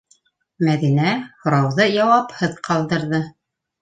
Мәҙинә һорауҙы яуапһыҙ ҡалдырҙы.